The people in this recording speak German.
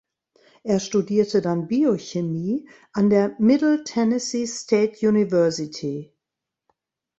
Er studierte dann Biochemie an der Middle Tennessee State University.